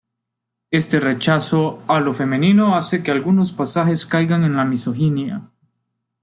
Este rechazo a lo femenino hace que algunos pasajes caigan en la misoginia.